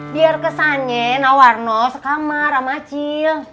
biar kesannya nawarno sekamar sama cil